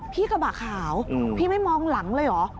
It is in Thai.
กระบะขาวพี่ไม่มองหลังเลยเหรอ